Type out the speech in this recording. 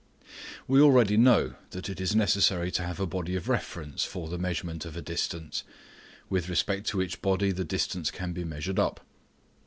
We already know that it is necessary to have a body of reference for the measurement of a distance, with respect to which body the distance can be measured up.